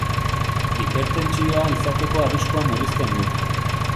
Hipertentsioa izateko arriskua murrizten du.